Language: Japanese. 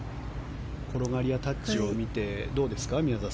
転がりやタッチを見て宮里さんどうですか。